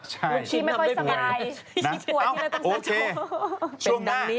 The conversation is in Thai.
ใช่ที่ทำให้ป่วยโอเคช่วงหน้าโอเค